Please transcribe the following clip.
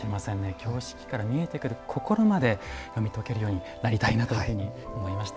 京漆器から見えてくる心まで読み解けるようになりたいなというふうに思いました。